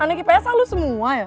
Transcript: anak ips alu semua ya